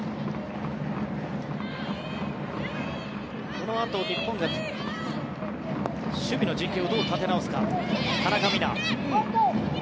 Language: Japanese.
このあと日本が守備の陣形をどう立て直すか。